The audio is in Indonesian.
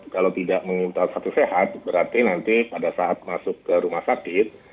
kalau tidak mengintai satu sehat berarti nanti pada saat masuk ke rumah sakit